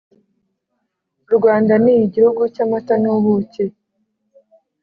u rwanda ni igihugu cy'amata n'ubuki